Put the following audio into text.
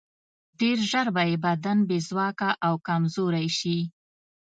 ډېر ژر به یې بدن بې ځواکه او کمزوری شي.